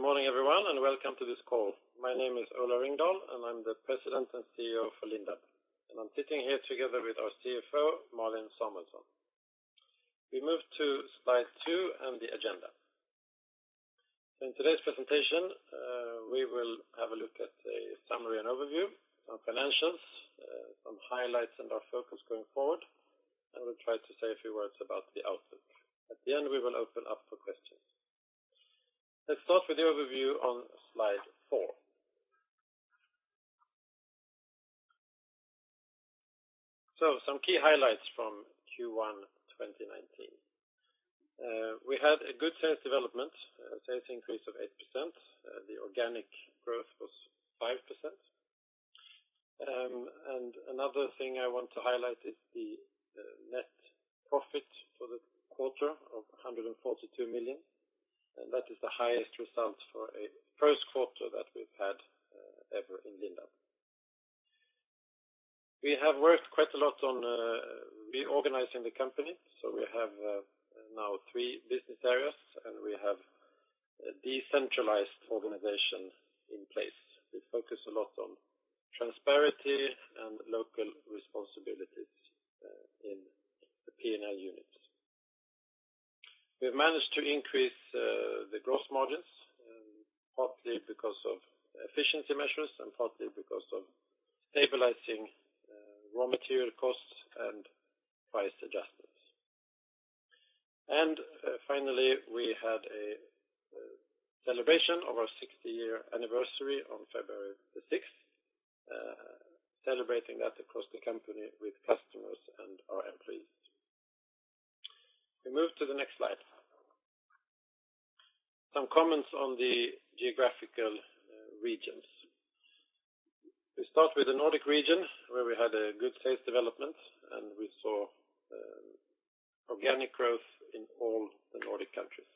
Good morning, everyone, and welcome to this call. My name is Ola Ringdahl, and I'm the President and CEO for Lindab. I'm sitting here together with our CFO, Malin Samuelsson. We move to slide two and the agenda. In today's presentation, we will have a look at a summary and overview, our financials, some highlights and our focus going forward, and we'll try to say a few words about the outlook. At the end, we will open up for questions. Let's start with the overview on slide four. Some key highlights from Q1 2019. We had a good sales development, a sales increase of 8%, the organic growth was 5%. Another thing I want to highlight is the net profit for the quarter of 142 million, and that is the highest result for a Q1 that we've had ever in Lindab. We have worked quite a lot on reorganizing the company, so we have now three business areas, and we have a decentralized organization in place. We focus a lot on transparency and local responsibilities in the P&L units. We've managed to increase the gross margins, partly because of efficiency measures and partly because of stabilizing raw material costs and price adjustments. Finally, we had a celebration of our 60-year anniversary on February 6th, celebrating that across the company with customers and our employees. We move to the next slide. Some comments on the geographical regions. We start with the Nordic region, where we had a good sales development, and we saw organic growth in all the Nordic countries.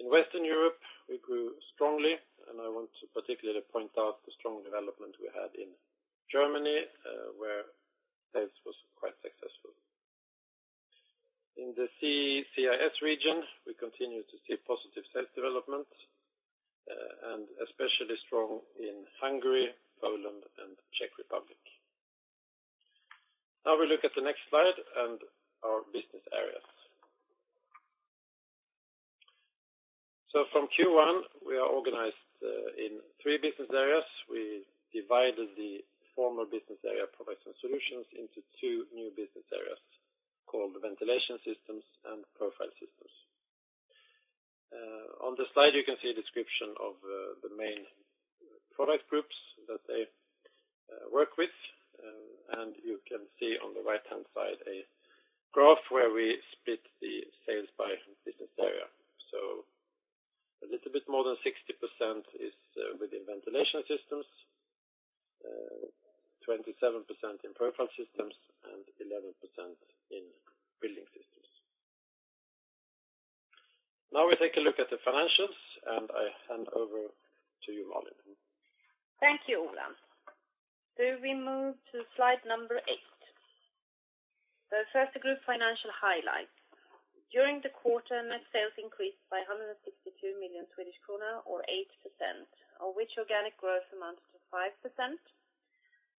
In Western Europe, we grew strongly, and I want to particularly point out the strong development we had in Germany, where sales was quite successful. In the CEE/CIS region, we continue to see positive sales development, and especially strong in Hungary, Poland, and Czech Republic. We look at the next slide and our business areas. From Q1, we are organized in three business areas. We divided the former business area, Products & Solutions, into two new business areas called Ventilation Systems and Profile Systems. On the slide, you can see a description of the main product groups that they work with. You can see on the right-hand side, a graph where we split the sales by business area. A little bit more than 60% is within Ventilation Systems, 27% in Profile Systems, and 11% in Building Systems. Now, we take a look at the financials. I hand over to you, Malin. Thank you, Ola. We move to slide number eight. First, the group financial highlights. During the quarter, net sales increased by 162 million Swedish kronor or 8%, of which organic growth amounted to 5%.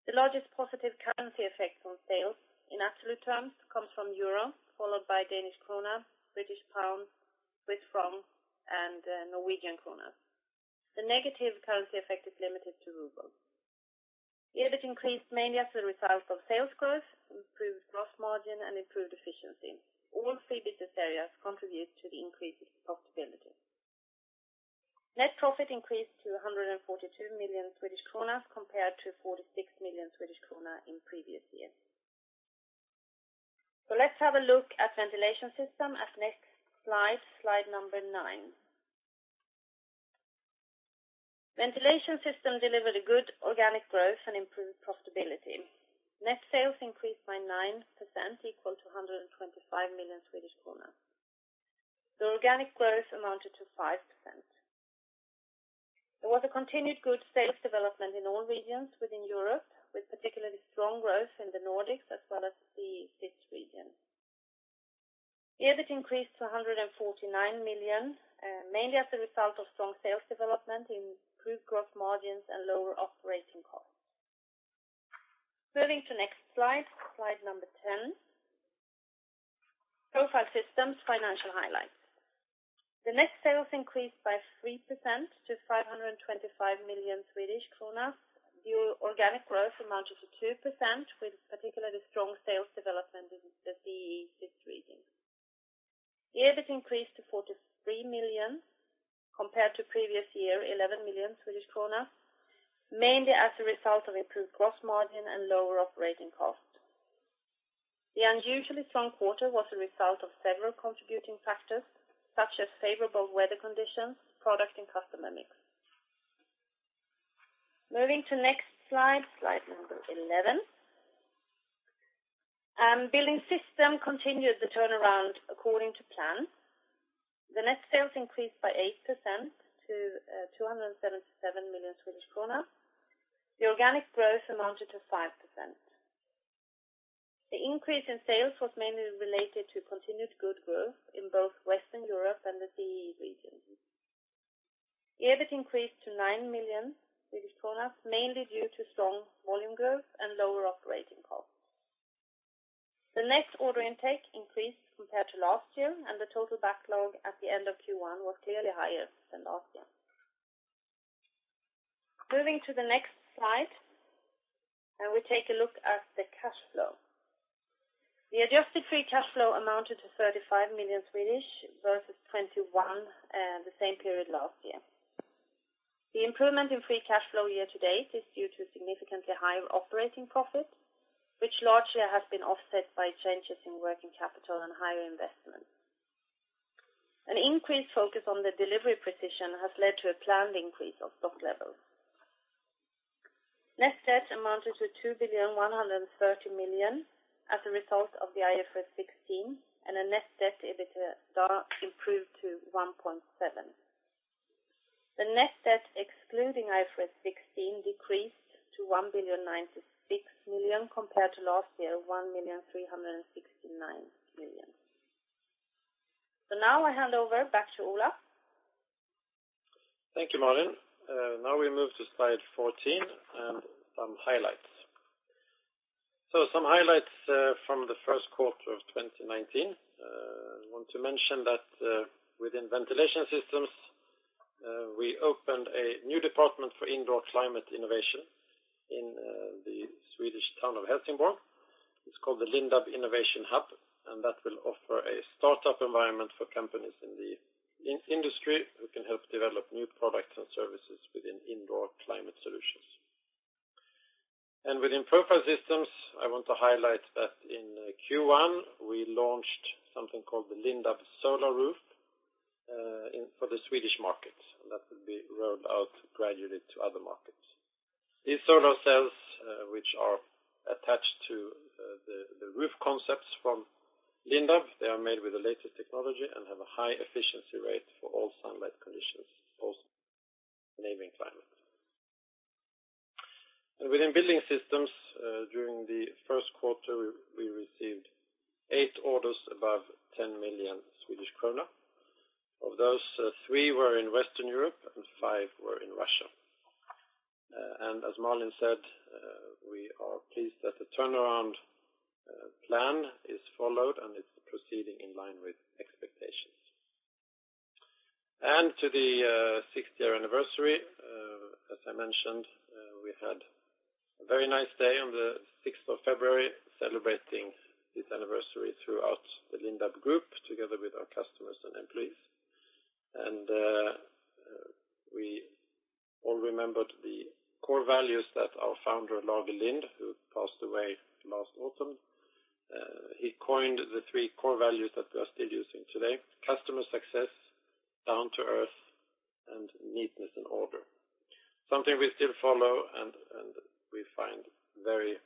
The largest positive currency effect on sales in absolute terms, comes from EUR, followed by DKK, GBP, CHF, and NOK. The negative currency effect is limited to RUB. EBIT increased mainly as a result of sales growth, improved gross margin, and improved efficiency. All three business areas contribute to the increase in profitability. Net profit increased to 142 million Swedish kronor, compared to 46 million Swedish krona in previous years. Let's have a look at Ventilation Systems at next slide number nine. Ventilation Systems delivered a good organic growth and improved profitability. Net sales increased by 9%, equal to 125 million Swedish kronor. The organic growth amounted to 5%. There was a continued good sales development in all regions within Europe, with particularly strong growth in the Nordics as well as the CIS region. EBIT increased to 149 million, mainly as a result of strong sales development, improved gross margins, and lower operating costs. Moving to next slide number 10. Profile Systems financial highlights. The net sales increased by 3% to 525 million Swedish kronor. The organic growth amounted to 2%, with particularly strong sales development in the CEE/CIS region. The EBIT increased to 43 million compared to previous year, 11 million Swedish kronor, mainly as a result of improved gross margin and lower operating costs. The unusually strong quarter was a result of several contributing factors, such as favorable weather conditions, product and customer mix. Moving to next slide number 11. Building Systems continued the turnaround according to plan. The net sales increased by 8% to 277 million Swedish kronor. The organic growth amounted to 5%. The increase in sales was mainly related to continued good growth in both Western Europe and the CE region. The EBIT increased to 9 million kronor, mainly due to strong volume growth and lower operating costs. The next order intake increased compared to last year, and the total backlog at the end of Q1 was clearly higher than last year. Moving to the next slide, and we take a look at the cash flow. The adjusted free cash flow amounted to 35 million, versus 21 million the same period last year. The improvement in free cash flow year to date is due to significantly higher operating profit, which largely has been offset by changes in working capital and higher investment. An increased focus on the delivery precision has led to a planned increase of stock levels. Net debt amounted to 2.13 billion as a result of the IFRS 16, and a net debt, EBITDA, improved to 1.7. The net debt, excluding IFRS 16, decreased to 1.096 billion compared to last year, 1.369 billion. Now I hand over back to Ola. Thank you, Malin. Now we move to slide 14, and some highlights. Some highlights from the Q1 of 2019. I want to mention that within Ventilation Systems, we opened a new department for indoor climate innovation in the Swedish town of Helsingborg. It's called the Lindab Innovation Hub, and that will offer a startup environment for companies in the industry who can help develop new products and services within indoor climate solutions. Within Profile Systems, I want to highlight that in Q1, we launched something called the Lindab SolarRoof for the Swedish market, and that will be rolled out gradually to other markets. These solar cells, which are attached to the roof concepts from Lindab, they are made with the latest technology and have a high efficiency rate for all sunlight conditions, also naming climate. Within Building Systems, during the Q1, we received 8 orders above 10 million Swedish krona. Of those, 3 were in Western Europe and 5 were in Russia. As Malin said, we are pleased that the turnaround plan is followed and it's proceeding in line with expectations. To the 60th anniversary, as I mentioned, we had a very nice day on the 6th of February, celebrating this anniversary throughout the Lindab Group, together with our customers and employees. We all remembered the core values that our founder, Lage Lindh, who passed away last autumn. He coined the 3 core values that we are still using today: customer success, down to earth, and neatness and order. Something we still follow and we find very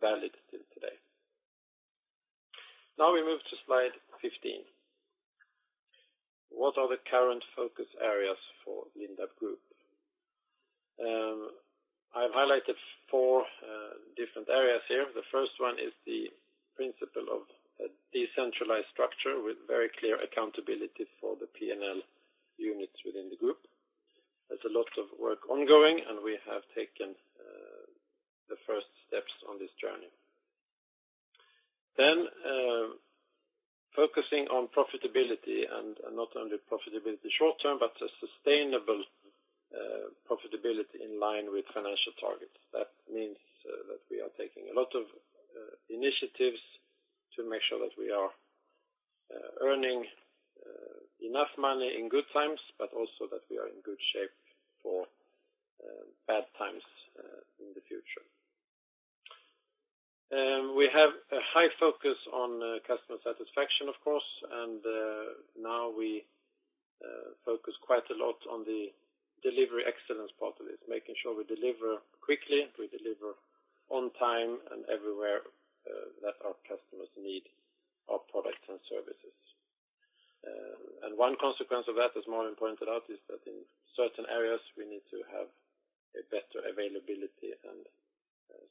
valid still today. We move to slide 15. What are the current focus areas for Lindab Group? I've highlighted 4 different areas here. The first one is the principle of a decentralized structure with very clear accountability for the P&L units within the group. There's a lot of work ongoing, and we have taken the first steps on this journey. Focusing on profitability, and not only profitability short-term, but a sustainable profitability in line with financial targets. That means that we are taking a lot of initiatives to make sure that we are earning enough money in good times. Also that we are in good shape for bad times in the future. We have a high focus on customer satisfaction, of course. Now we focus quite a lot on the delivery excellence part of this, making sure we deliver quickly, we deliver on time, and everywhere that our customers need our products and services. One consequence of that, as Malin pointed out, is that in certain areas, we need to have a better availability and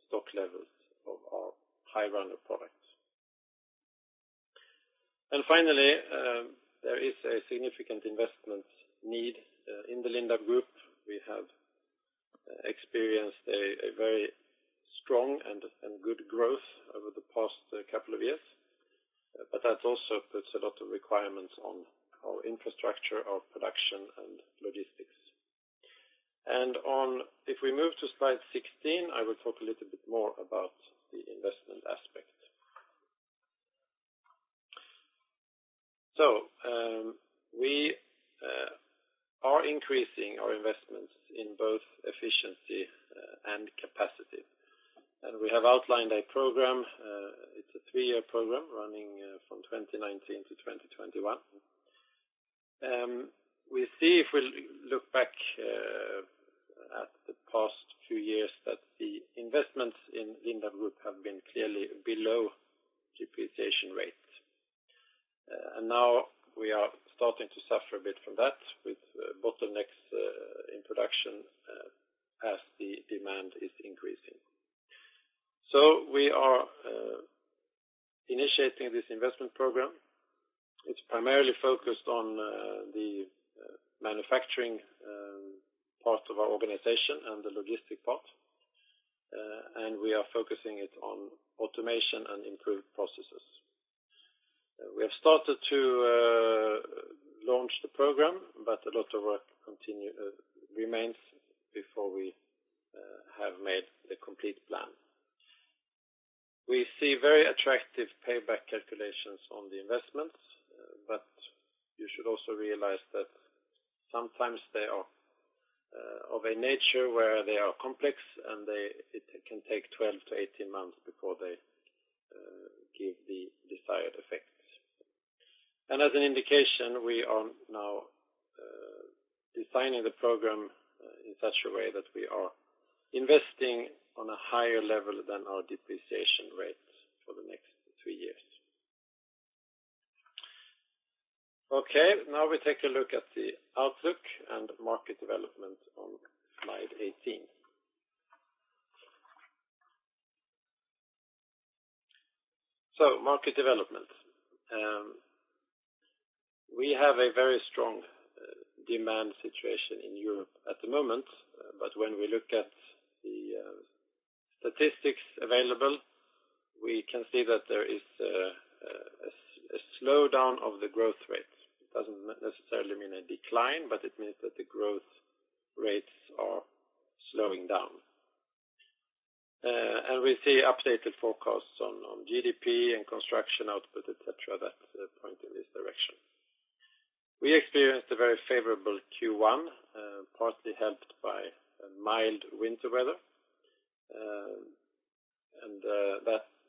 stock levels of our high runner products. Finally, there is a significant investment need in the Lindab Group. We have experienced a very strong and good growth over the past couple of years, but that also puts a lot of requirements on our infrastructure, our production, and logistics. If we move to slide 16, I will talk a little bit more about the investment aspect. We are increasing our investments in both efficiency and capacity, and we have outlined a program, it's a three-year program running from 2019 to 2021. We see, if we look back at the past few years, that the investments in Lindab Group have been. Now we are starting to suffer a bit from that, with bottlenecks in production as the demand is increasing. We are initiating this investment program. It's primarily focused on the manufacturing part of our organization and the logistic part. We are focusing it on automation and improved processes. We have started to launch the program, but a lot of work remains before we have made a complete plan. We see very attractive payback calculations on the investments, but you should also realize that sometimes they are of a nature where they are complex, and it can take 12 to 18 months before they give the desired effects. As an indication, we are now designing the program in such a way that we are investing on a higher level than our depreciation rates for the next 3 years. We take a look at the outlook and market development on slide 18. Market development. We have a very strong demand situation in Europe at the moment, but when we look at the statistics available, we can see that there is a slowdown of the growth rate. It doesn't necessarily mean a decline, but it means that the growth rates are slowing down. We see updated forecasts on GDP and construction output, et cetera, that point in this direction. We experienced a very favorable Q1, partly helped by a mild winter weather,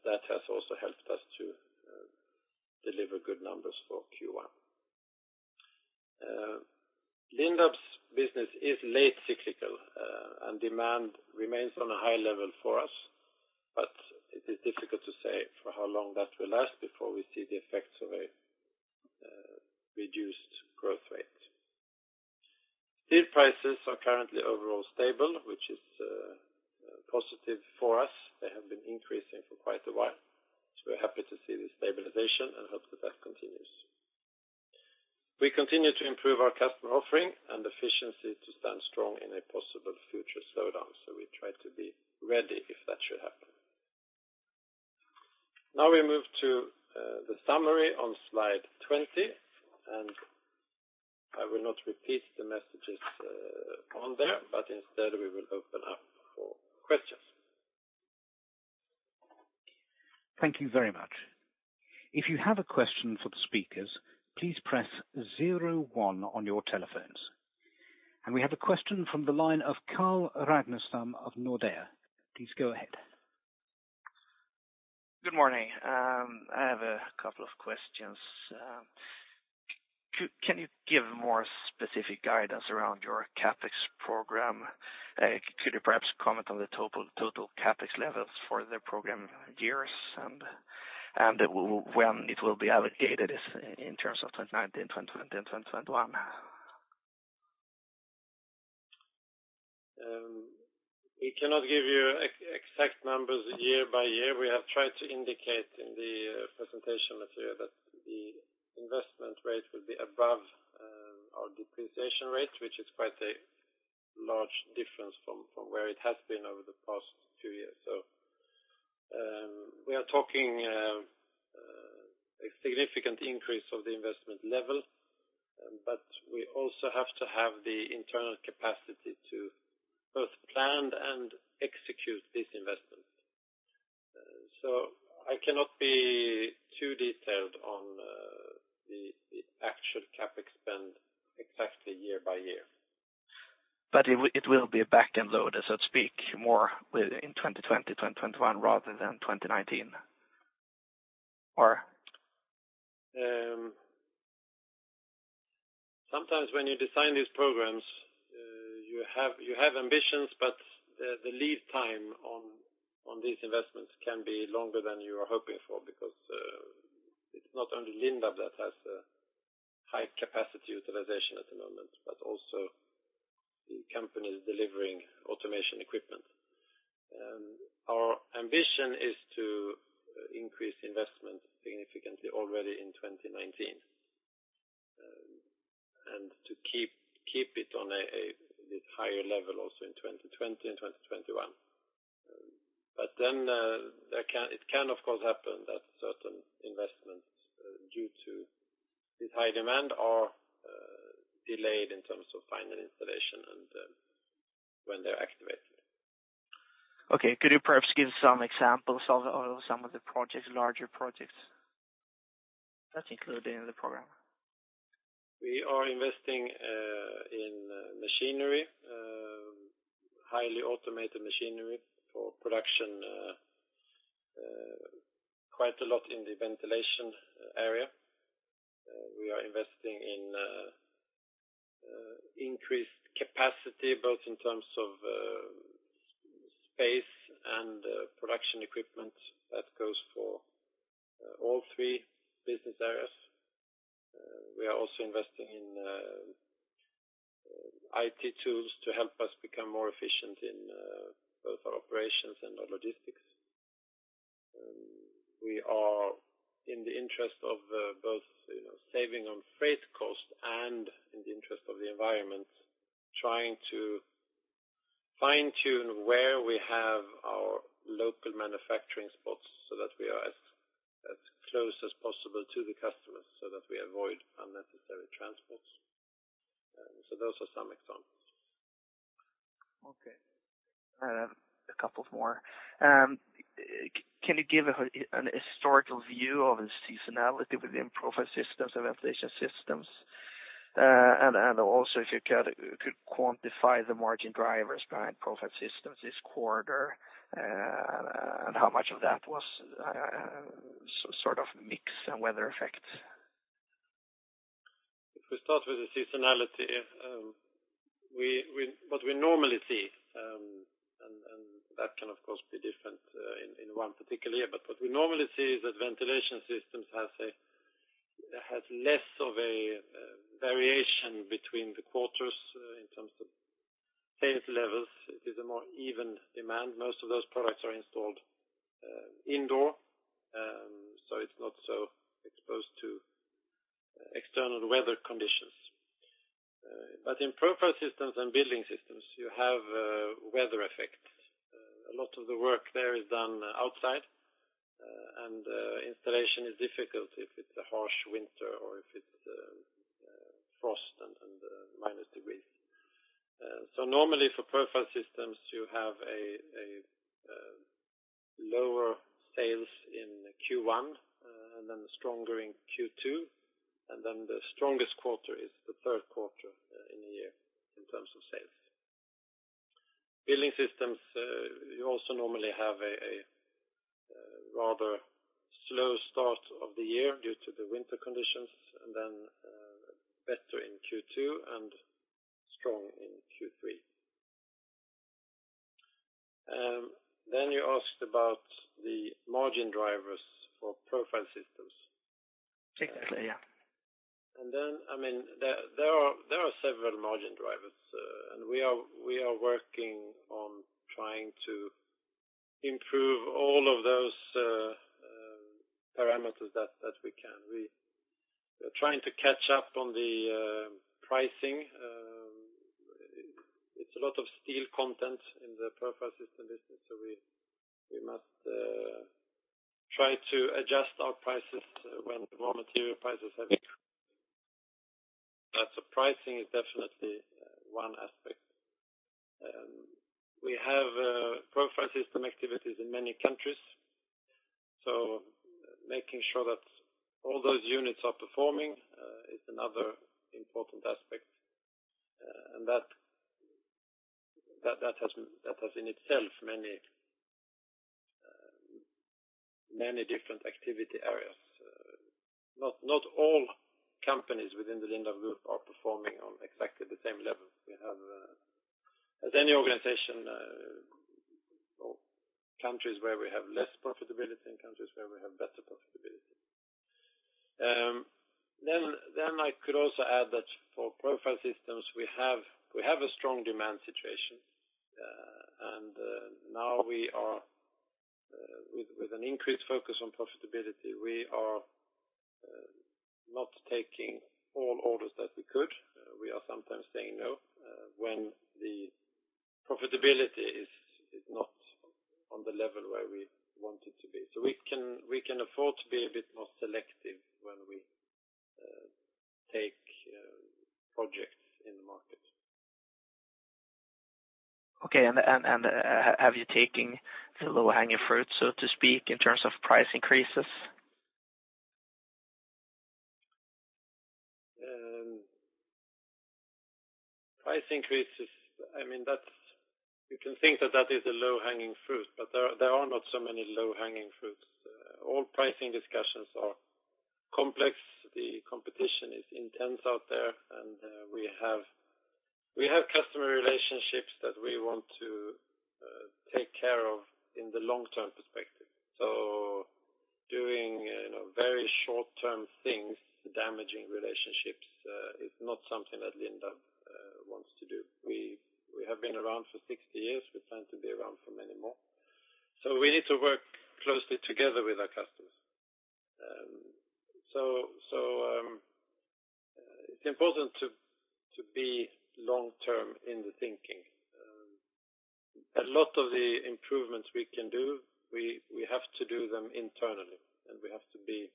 that has also helped us to deliver good numbers for Q1. Lindab's business is late cyclical, and demand remains on a high level for us, but it is difficult to say for how long that will last before we see the effects of a reduced growth rate. Steel prices are currently overall stable, which is positive for us. They have been increasing for quite a while, we're happy to see the stabilization and hope that that continues. We continue to improve our customer offering and efficiency to stand strong in a possible future slowdown, we try to be ready if that should happen. Now, we move to the summary on slide 20. I will not repeat the messages on there, but instead, we will open up for questions. Thank you very much. If you have a question for the speakers, please press zero one on your telephones. We have a question from the line of Carl Ragnerstam of Nordea. Please go ahead. Good morning. I have a couple of questions. Can you give more specific guidance around your CapEx program? Could you perhaps comment on the total CapEx levels for the program years, and when it will be allocated in terms of 2019, 2020, and 2021? We cannot give you exact numbers year by year. We have tried to indicate in the presentation material that the investment rate will be above our depreciation rate, which is quite a large difference from where it has been over the past two years. We are talking a significant increase of the investment level, but we also have to have the internal capacity to both plan and execute these investments. I cannot be too detailed on the actual CapEx spend exactly year by year. it will be a back-end load, so to speak, more in 2020, 2021 rather than 2019? Or? Sometimes when you design these programs, you have ambitions, but the lead time on these investments can be longer than you are hoping for, because it's not only Lindab that has a high capacity utilization at the moment, but also the companies delivering automation equipment. Our ambition is to increase investment significantly already in 2019, and to keep it on a higher level also in 2020 and 2021. It can, of course, happen that certain investments, due to this high demand, are delayed in terms of final installation and when they're activated. Okay. Could you perhaps give some examples of some of the projects, larger projects that's included in the program? We are investing in machinery, highly automated machinery for production, quite a lot in the ventilation area. We are investing in increased capacity, both in terms of space and production equipment. That goes for all three business areas. We are also investing in IT tools to help us become more efficient in both our operations and our logistics. We are in the interest of both, you know, saving on freight costs and in the interest of the environment, trying to fine-tune where we have our local manufacturing spots, so that we are as close as possible to the customers, so that we avoid unnecessary transports. Those are some examples. Okay, I have a couple more. Can you give an historical view of the seasonality within Profile Systems and Ventilation Systems? If you could quantify the margin drivers behind Profile Systems this quarter, and how much of that was sort of mix and weather effects? If we start with the seasonality, we what we normally see, that can, of course, be different, in one particular year. What we normally see is that Ventilation Systems has less of a variation between the quarters, in terms of sales levels. It is a more even demand. Most of those products are installed indoor, so it's not so exposed to external weather conditions. In Profile Systems and Building Systems, you have weather effects. A lot of the work there is done outside, and installation is difficult if it's a harsh winter or if it's frost and minus degrees. Normally, for Profile Systems, you have a lower sales in Q1, and then stronger in Q2, and then the strongest quarter is the Q3 in the year, in terms of sales. Building Systems, you also normally have a rather slow start of the year due to the winter conditions, and then better in Q2 and strong in Q3. You asked about the margin drivers for Profile Systems. Exactly, yeah. I mean, there are several margin drivers, and we are working on trying to improve all of those parameters that we can. We are trying to catch up on the pricing. It's a lot of steel content in the Profile Systems business, so we must try to adjust our prices when raw material prices have increased. Pricing is definitely one aspect. We have Profile Systems activities in many countries, so making sure that all those units are performing is another important aspect, and that has in itself many different activity areas. Not all companies within the Lindab Group are performing on exactly the same level. We have, as any organization, or countries where we have less profitability, and countries where we have better profitability. I could also add that for Profile Systems, we have a strong demand situation, and now we are, with an increased focus on profitability, we are not taking all orders that we could. We are sometimes saying no, when the profitability is not on the level where we want it to be. We can afford to be a bit more selective when we take projects in the market. Okay, and have you taken the low-hanging fruit, so to speak, in terms of price increases? Price increases, I mean, that's you can think that is a low-hanging fruit, but there are not so many low-hanging fruits. All pricing discussions are complex. The competition is intense out there, and we have customer relationships that we want to take care of in the long-term perspective. Doing, you know, very short-term things, damaging relationships, is not something that Lindab wants to do. We have been around for 60 years. We plan to be around for many more. We need to work closely together with our customers. It's important to be long-term in the thinking. A lot of the improvements we can do, we have to do them internally, and we have to be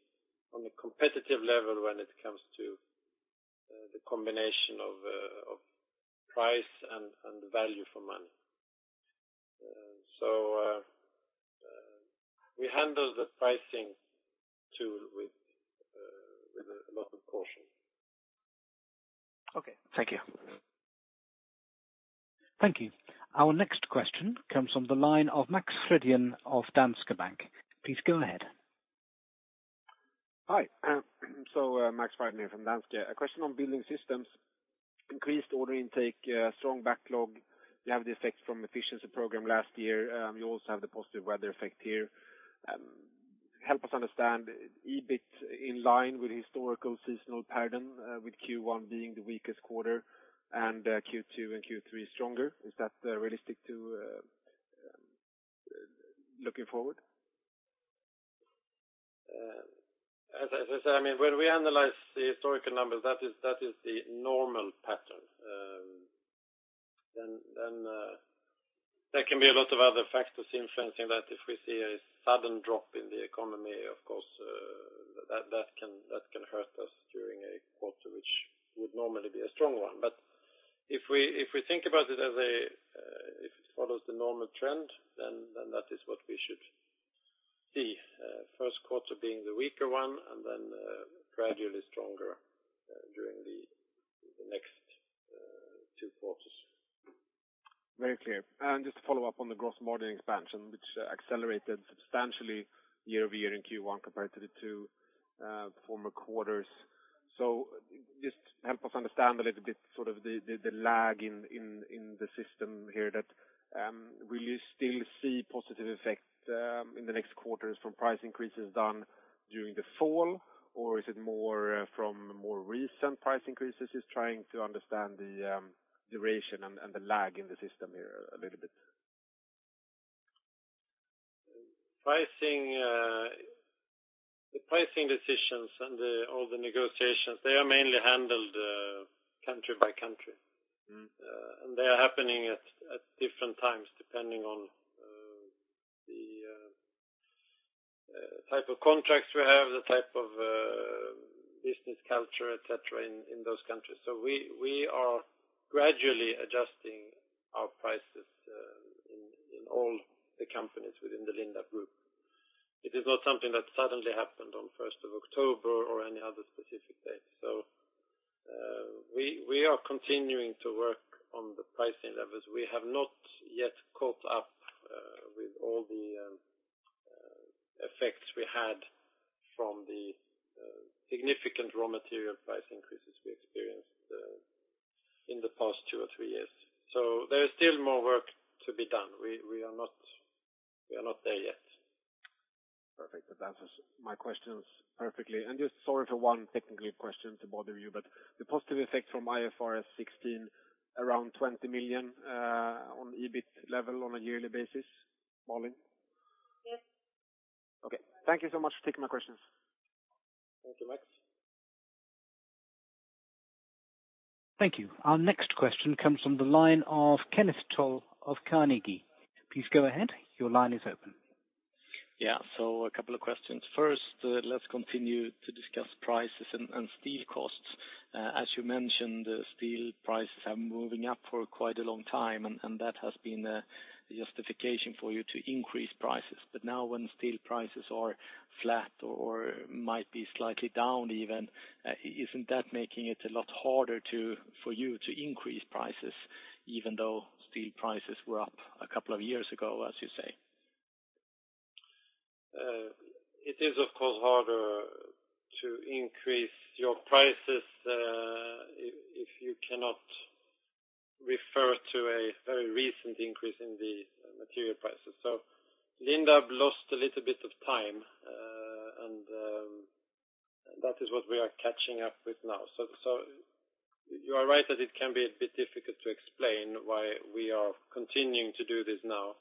on a competitive level when it comes to the combination of price and value for money. We handle the pricing tool with a lot of caution. Okay, thank you. Thank you. Our next question comes from the line of Max Frydén of Danske Bank. Please go ahead. Max Frydén from Danske. A question on Building Systems, increased order intake, strong backlog. You have the effect from efficiency program last year. You also have the positive weather effect here. Help us understand EBIT in line with historical seasonal pattern, with Q1 being the weakest quarter and Q2 and Q3 stronger. Is that realistic to looking forward? As I mean, when we analyze the historical numbers, that is, that is the normal pattern. There can be a lot of other factors influencing that. If we see a sudden drop in the economy, of course, that can, that can hurt us during a quarter, which would normally be a strong one. But if we, if we think about it as, if it follows the normal trend, then that is what we should see. Q1 being the weaker one, and then, gradually stronger, during the next, two quarters. Very clear. Just to follow up on the gross margin expansion, which accelerated substantially year-over-year in Q1 compared to the two former quarters. Just help us understand a little bit, sort of the lag in the system here, that will you still see positive effects in the next quarters from price increases done during the fall? Or is it more from more recent price increases? Just trying to understand the duration and the lag in the system here a little bit. Pricing, the pricing decisions and the, all the negotiations, they are mainly handled, country by country. Mm-hmm. They are happening at different times, depending on the type of contracts we have, the type of business culture, et cetera, in those countries. We are gradually adjusting our prices in all the companies within the Lindab Group. It is not something that suddenly happened on 1st of October or any other specific date. We are continuing to work on the pricing levels. We have not yet caught up with all the effects we had from the significant raw material price increases we experienced in the past 2 or 3 years. There is still more work to be done. We are not, we are not there yet. Perfect. That answers my questions perfectly. Just sorry for one technical question to bother you, but the positive effect from IFRS 16, around 20 million, on EBIT level on a yearly basis, Malin? Yes. Okay. Thank you so much for taking my questions. Thank you, Max. Thank you. Our next question comes from the line of Kenneth Toll of Carnegie. Please go ahead. Your line is open. A couple of questions. First, let's continue to discuss prices and steel costs. As you mentioned, steel prices are moving up for quite a long time, and that has been the justification for you to increase prices. Now when steel prices are flat or might be slightly down even, isn't that making it a lot harder for you to increase prices, even though steel prices were up a couple of years ago, as you say? It is, of course, harder to increase your prices, if you cannot refer to a very recent increase in the material prices. Lindab lost a little bit of time, and that is what we are catching up with now. You are right that it can be a bit difficult to explain why we are continuing to do this now.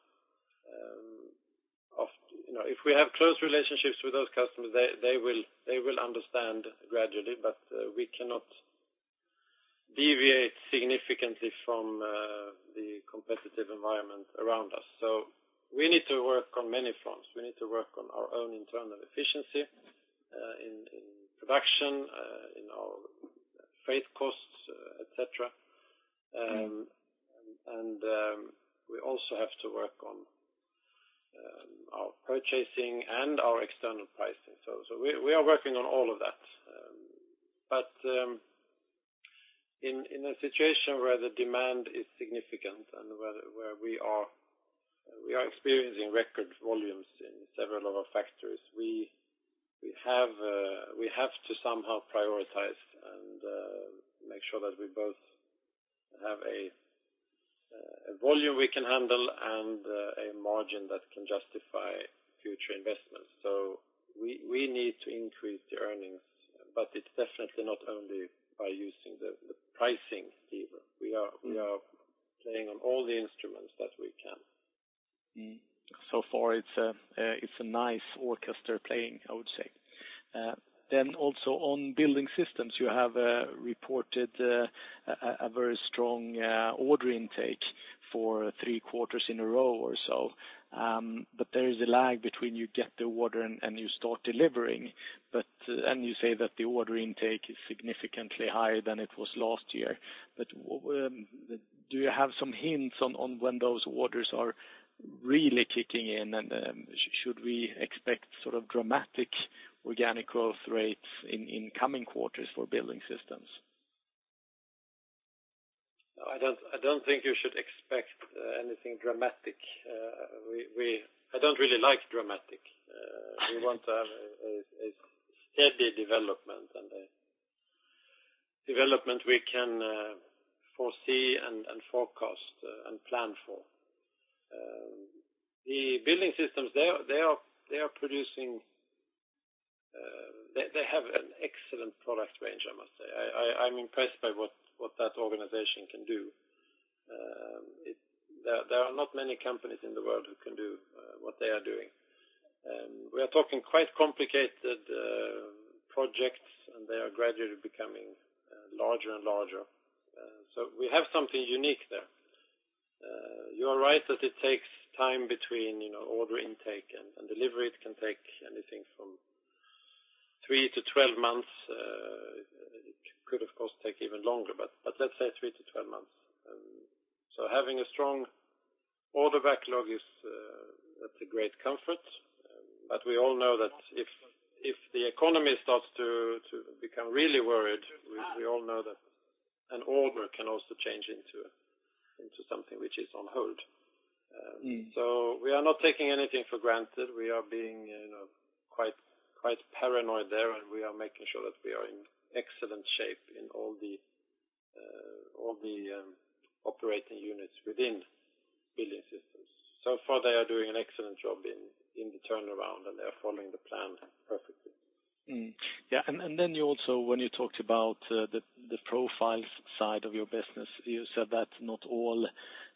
Of, you know, if we have close relationships with those customers, they will understand gradually, but we cannot deviate significantly from the competitive environment around us. We need to work on many fronts. We need to work on our own internal efficiency, in production, in our freight costs, et cetera. We also have to work on our purchasing and our external pricing. We are working on all of that. In a situation where the demand is significant and where we are experiencing record volumes in several of our factories, we have to somehow prioritize and make sure that we both have a volume we can handle and a margin that can justify future investments. We need to increase the earnings, but it's definitely not only by using the pricing lever. We are playing on all the instruments that we can. Mm. So far, it's a, it's a nice orchestra playing, I would say. Also on Building Systems, you have, reported, a very strong, order intake for 3 quarters in a row or so. There is a lag between you get the order and you start delivering. And you say that the order intake is significantly higher than it was last year. Do you have some hints on when those orders are really kicking in? Should we expect sort of dramatic organic growth rates in coming quarters for Building Systems? I don't think you should expect anything dramatic. I don't really like dramatic. We want to have a steady development and a development we can foresee and forecast and plan for. The Building Systems, they are producing, they have an excellent product range, I must say. I'm impressed by what that organization can do. There are not many companies in the world who can do what they are doing. We are talking quite complicated projects, and they are gradually becoming larger and larger. We have something unique there. You are right that it takes time between, you know, order intake and delivery. It can take anything from 3-12 months. It could, of course, take even longer, but let's say 3-12 months. So having a strong order backlog is that's a great comfort. We all know that if the economy starts to become really worried, we all know that an order can also change into something which is on hold. Mm. We are not taking anything for granted. We are being, you know, quite paranoid there, and we are making sure that we are in excellent shape in all the, all the operating units within Building Systems. So far, they are doing an excellent job in the turnaround, and they are following the plan perfectly. Yeah, then you also, when you talked about the profiles side of your business, you said that not all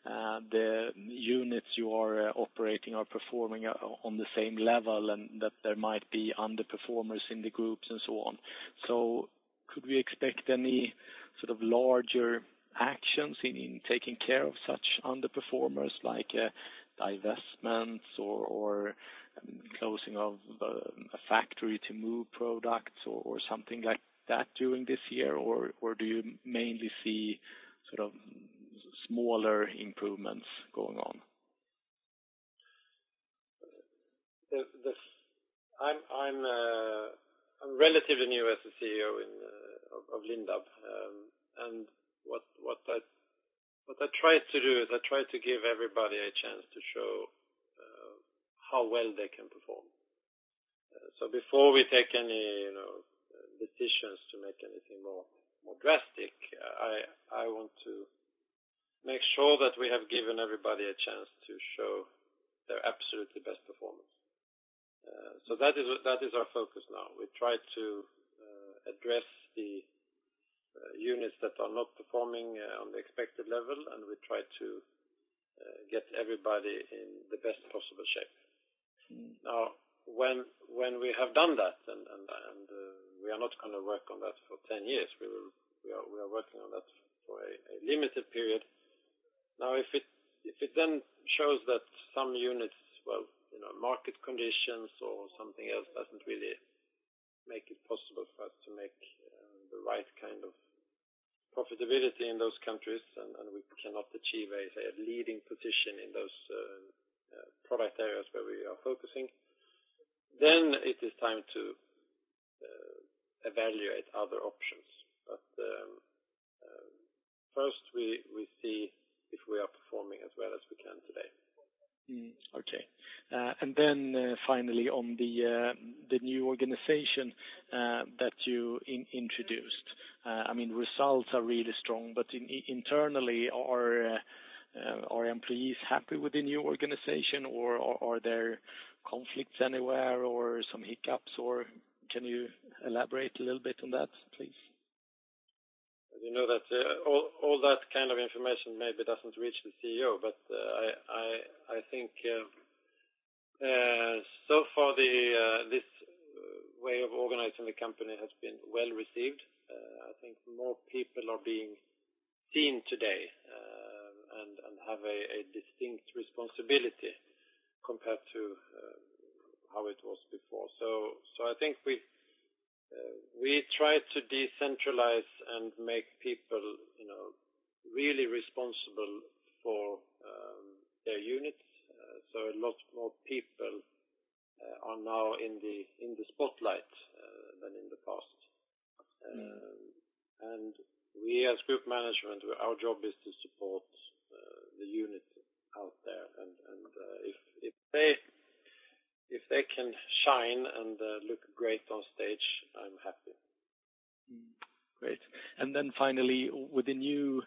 the units you are operating are performing on the same level, and that there might be underperformers in the groups and so on. Could we expect any sort of larger actions in taking care of such underperformers, like divestments or closing of a factory to move products or something like that during this year? Do you mainly see sort of smaller improvements going on? I'm relatively new as a CEO in of Lindab. What I try to do is I try to give everybody a chance to show how well they can perform. Before we take any, you know, decisions to make anything more drastic, I want to make sure that we have given everybody a chance to show their absolutely best performance. That is our focus now. We try to address the units that are not performing on the expected level, and we try to get everybody in the best possible shape. Mm. When we have done that, and we are not gonna work on that for 10 years, we are working on that for a limited period. If it then shows that some units, well, you know, market conditions or something else, doesn't really make it possible for us to make the right kind of profitability in those countries, and we cannot achieve a leading position in those product areas where we are focusing, then it is time to evaluate other options. First, we see if we are performing as well as we can today. Okay. Finally, on the new organization that you introduced. I mean, results are really strong, but internally, are employees happy with the new organization, or are there conflicts anywhere or some hiccups, or can you elaborate a little bit on that, please? You know that, all that kind of information maybe doesn't reach the CEO, but I think so far the this way of organizing the company has been well-received. I think more people are being seen today, and have a distinct responsibility compared to how it was before. I think we try to decentralize and make people, you know, really responsible for their units. A lot more people are now in the spotlight than in the past. Mm. We as group management, our job is to support the units out there, if they can shine and look great on stage, I'm happy. Great. Finally, with the new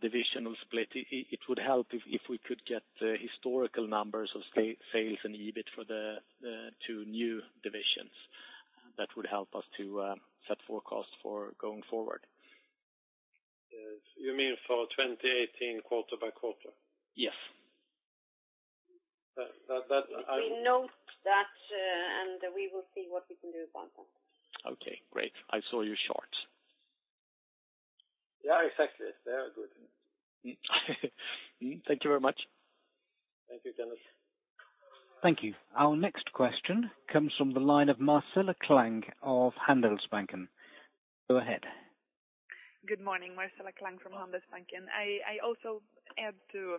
divisional split, it would help if we could get the historical numbers of sales and EBIT for the two new divisions. That would help us to set forecasts for going forward. You mean for 2018, quarter by quarter? Yes. That We note that, and we will see what we can do about that. Okay, great. I saw you short. They are effective. They are good. Thank you very much. Thank you, Kenneth. Thank you. Our next question comes from the line of Marcela Klang of Handelsbanken. Go ahead. Good morning, Marcela Klang from Handelsbanken. I also add to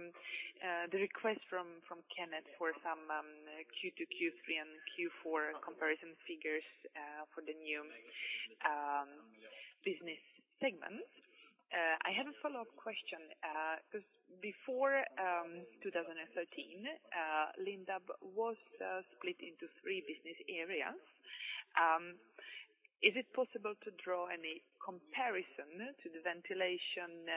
the request from Kenneth for some Q2, Q3, and Q4 comparison figures for the new divisions business segment. I have a follow-up question cause before 2013, Lindab was split into three business areas. Is it possible to draw any comparison to the Ventilation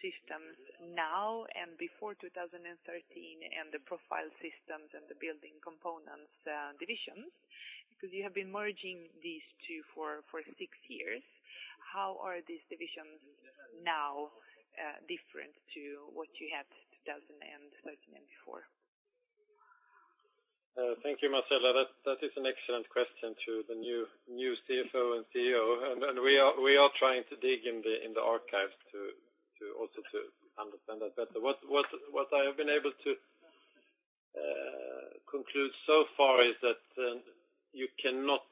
Systems now and before 2013, and the Profile Systems and the Building Components divisions? You have been merging these two for six years. How are these divisions now different to what you had 2013 and before? Thank you, Marcella. That is an excellent question to the new CFO and CEO, we are trying to dig in the archives to also to understand that better. What I have been able to conclude so far is that you cannot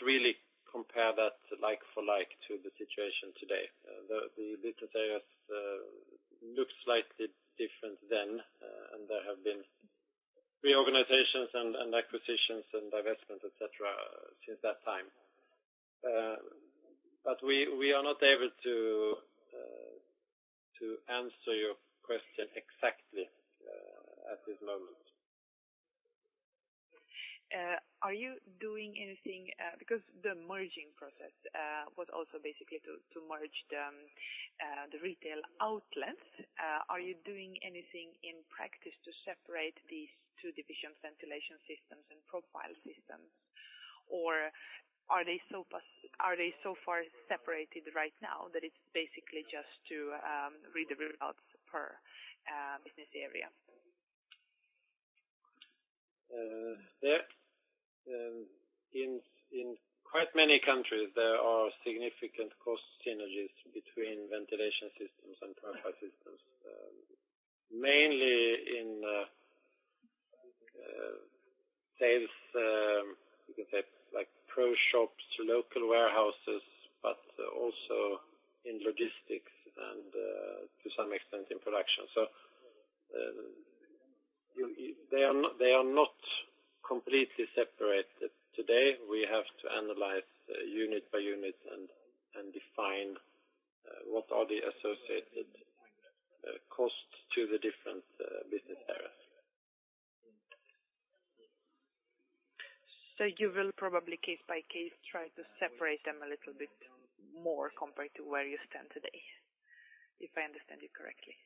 really compare that like for like to the situation today. The business areas look slightly different then, there have been reorganizations and acquisitions and divestments, et cetera, since that time. We are not able to answer your question exactly at this moment. Are you doing anything because the merging process was also basically to merge the retail outlets? Are you doing anything in practice to separate these two division Ventilation Systems and Profile Systems, or are they so far separated right now that it's basically just to read the results per business area? There, in quite many countries, there are significant cost synergies between Ventilation Systems and Profile Systems. Mainly in sales, you can say, like, pro shops to local warehouses, but also in logistics and to some extent in production. They are not completely separated today. We have to analyze unit by unit and define what are the associated costs to the different business areas. You will probably, case by case, try to separate them a little bit more compared to where you stand today, if I understand you correctly?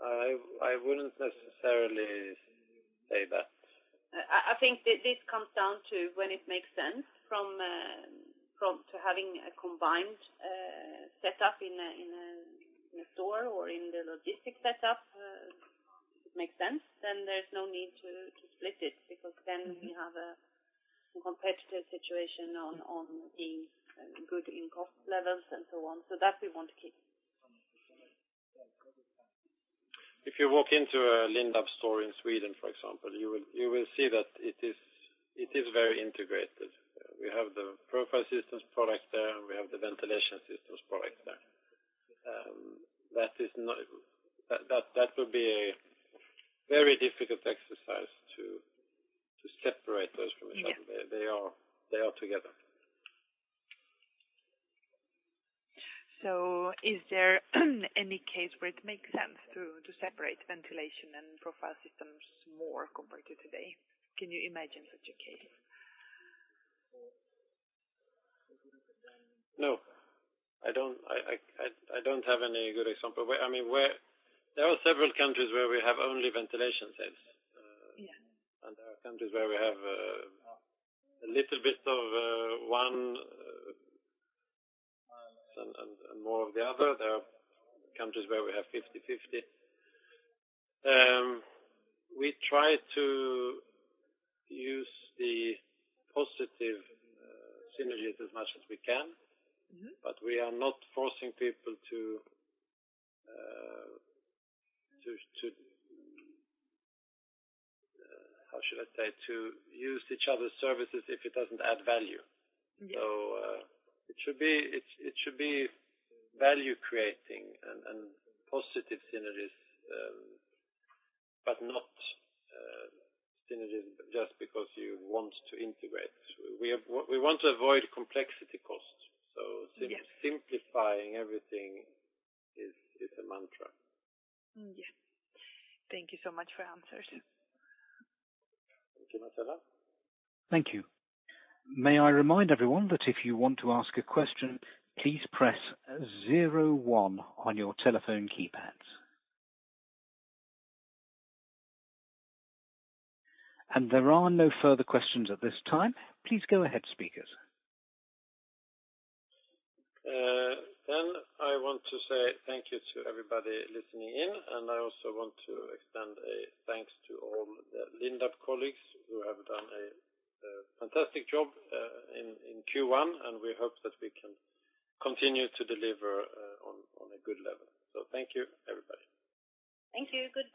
I wouldn't necessarily say that. I think this comes down to when it makes sense from to having a combined setup in a store or in the logistics setup, it makes sense, then there's no need to split it, because then. Mm-hmm. we have a competitive situation on being good in cost levels and so on. That we want to keep. If you walk into a Lindab store in Sweden, for example, you will see that it is very integrated. We have the Profile Systems product there, and we have the Ventilation Systems product there. That would be a very difficult exercise to separate those from each other. Yeah. They are together. Is there any case where it makes sense to separate Ventilation Systems and Profile Systems more compared to today? Can you imagine such a case? No, I don't. I don't have any good example. I mean, where there are several countries where we have only ventilation sales. Yeah. There are countries where we have a little bit of one and more of the other. There are countries where we have 50/50. We try to use the positive synergies as much as we can. Mm-hmm. We are not forcing people to, how should I say, to use each other's services if it doesn't add value. Yeah. It should be value creating and positive synergies, but not, synergies just because you want to integrate. We have, we want to avoid complexity costs. Yes... simplifying everything is a mantra. Yeah. Thank you so much for your answers. Thank you, Marcella. Thank you. May I remind everyone that if you want to ask a question, please press zero one on your telephone keypads. There are no further questions at this time. Please go ahead, speakers. I want to say thank you to everybody listening in, and I also want to extend a thanks to all the Lindab colleagues who have done a fantastic job in Q1, and we hope that we can continue to deliver on a good level. Thank you, everybody. Thank you. Goodbye.